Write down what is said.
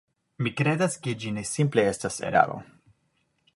Mi kredas, ke ĝi ne simple estas eraro.